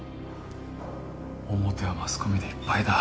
表はマスコミでいっぱいだ。